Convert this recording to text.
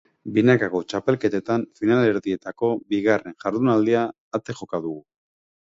Binakako txapelketan finalerdietako bigarren jardunaldia ate joka dugu.